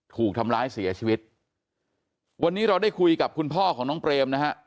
ถูกทำร้ายเสียชีวิตวันนี้เราได้คุยกับคุณพ่อของน้องเปรมนะฮะ